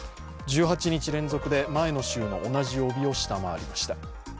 １８日連続で前の週の同じ曜日を下回りました。